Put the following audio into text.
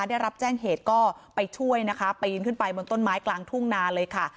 ได้รับแจ้งเหตุก็ไปช่วยนะคะปีนขึ้นไปบนต้นไม้กลางทุ่งนาเลยค่ะ